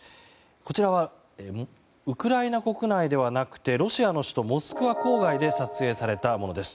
こちらはウクライナ国内ではなくてロシアの首都モスクワ郊外で撮影されたものです。